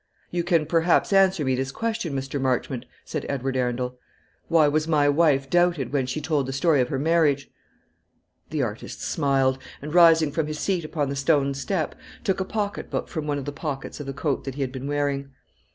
"You can perhaps answer me this question, Mr. Marchmont," said Edward Arundel. "Why was my wife doubted when she told the story of her marriage?" The artist smiled, and rising from his seat upon the stone step, took a pocket book from one of the pockets of the coat that he had been wearing.